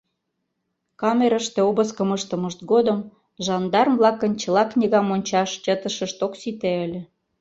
— Камерыште обыскым ыштымышт годым жандарм-влакын чыла книгам ончаш чытышышт ок сите ыле.